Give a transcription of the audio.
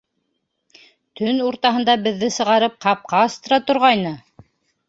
Төн уртаһында беҙҙе сығарып ҡапҡа астыра торғайны.